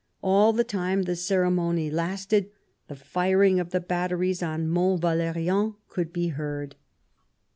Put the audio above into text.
All the time the ceremony lasted the firing of the batteries on Mont Valerien could be heard.